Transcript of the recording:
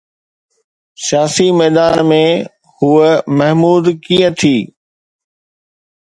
سياسي ميدان ۾ هوءَ محمود ڪيئن ٿي؟